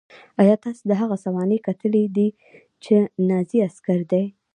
ایا تاسې د هغه سوانح کتلې دي چې نازي عسکر دی